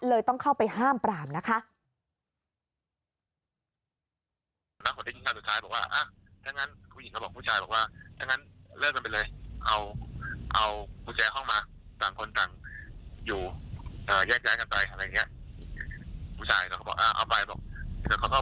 ต้องเข้าไปห้ามปรามนะคะ